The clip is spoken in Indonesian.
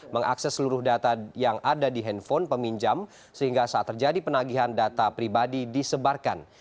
mengakses seluruh data yang ada di handphone peminjam sehingga saat terjadi penagihan data pribadi disebarkan